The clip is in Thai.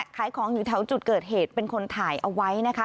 ขายของอยู่แถวจุดเกิดเหตุเป็นคนถ่ายเอาไว้นะคะ